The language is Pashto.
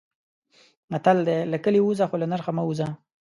متل دی: له کلي ووځه خو له نرخه مه وځه.